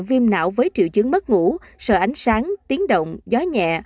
viêm não với triệu chứng mất ngủ sợ ánh sáng tiếng động gió nhẹ